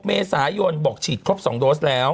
เมษายนบอกฉีดครบ๒โดสแล้ว